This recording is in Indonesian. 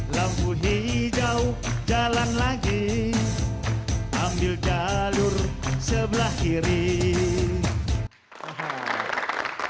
lampu merah depok